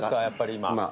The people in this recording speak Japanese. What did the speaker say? やっぱり今。